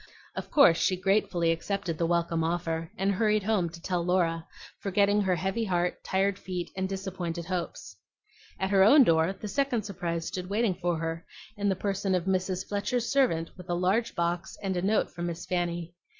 Of course she gratefully accepted the welcome offer, and hurried home to tell Laura, forgetting her heavy heart, tired feet, and disappointed hopes. At her own door the second surprise stood waiting for her, in the person of Mrs. Fletcher's servant with a large box and a note from Miss Fanny.